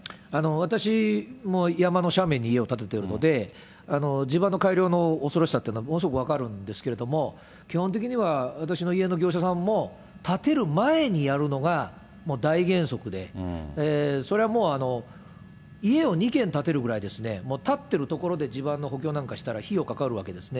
私も山の斜面に家を建てているので、地盤の改良の恐ろしさというのはものすごく分かるんですけれども、基本的には私の家の業者さんも建てる前にやるのがもう大原則で、それはもう家を２軒建てるぐらいですね、建ってる所で地盤の補強なんかしたら費用かかるわけですね。